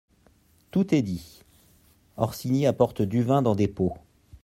Tout est dit. — Orsini apporte du vin dans des pots.